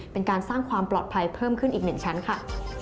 เป็นการสร้างความปลอดภัยเพิ่มขึ้นอีก๑ชั้นค่ะ